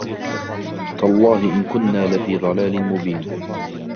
تَاللَّهِ إِنْ كُنَّا لَفِي ضَلَالٍ مُبِينٍ